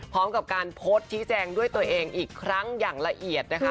พร้อมกับการโพสต์ชี้แจงด้วยตัวเองอีกครั้งอย่างละเอียดนะคะ